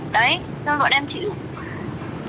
đấy nó gọi đem chị